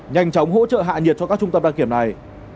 nhanh chóng hỗ trợ hạ nhiệt cho các trung tâm đăng kiểm này